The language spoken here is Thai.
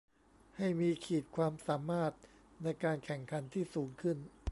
ให้มีขีดความสามารถในการแข่งขันที่สูงขึ้น